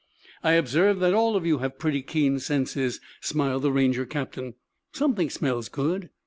"I observe that all of you have pretty keen senses," smiled the Ranger captain. "Something smells good."